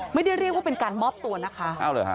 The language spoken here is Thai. ไม่ได้เรียกว่าเป็นการมอบตัวนะคะ